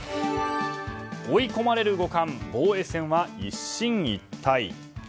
追い込まれる五冠防衛戦は一進一退。